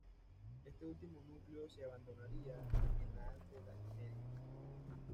Este último núcleo se abandonaría en la Alta Edad Media.